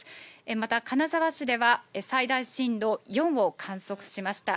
また金沢市では最大震度４を観測しました。